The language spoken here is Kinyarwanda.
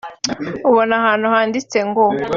ubona ahantu handitse ngo